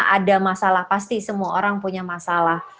ada masalah pasti semua orang punya masalah